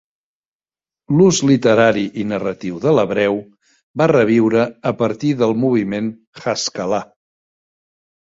L'ús literari i narratiu de l'hebreu va reviure a partir del moviment Haskalah.